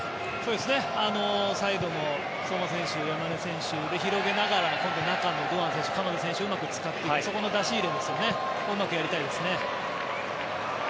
サイドも相馬選手山根選手で広げながら今度は中の堂安選手、鎌田選手をうまく使って、そこの出し入れをうまくやりたいですね。